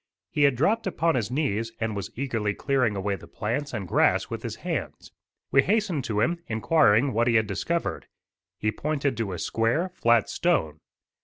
He had dropped upon his knees and was eagerly clearing away the plants and grass with his hands. We hastened to him, inquiring what he had discovered. He pointed to a square, flat stone.